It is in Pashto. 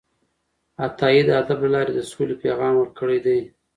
عطايي د ادب له لارې د سولې پیغام ورکړی دی